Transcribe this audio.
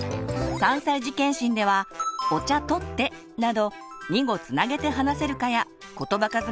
３歳児健診では「お茶とって」など２語つなげて話せるかやことば数が増えていっているか。